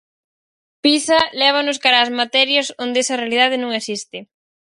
Pisa lévanos cara ás materias onde esa realidade non existe.